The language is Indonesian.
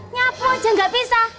nyapu aja gak bisa